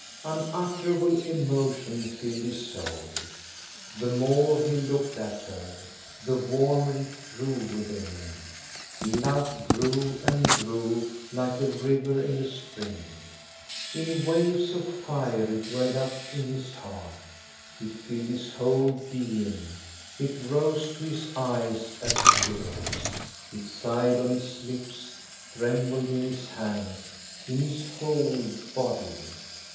Unutterable emotion filled his soul. The more he looked at her, the warmer it grew within him. Love grew and grew, like a river in the spring. In waves of fire it welled up in his heart, it filled his whole being, it rose to his eyes as tears ; it sighed on his lips, trembled in his hands, in his whole body.